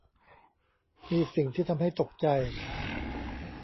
มีสิ่งที่ทำให้ตกใจ